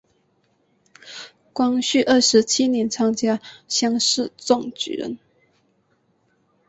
光绪二十七年参加乡试中举人。